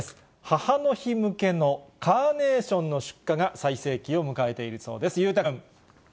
母の日向けのカーネーションの出荷が最盛期を迎えているそうです。